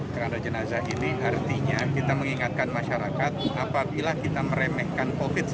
karena jenazah ini artinya kita mengingatkan masyarakat apabila kita meremehkan covid sembilan belas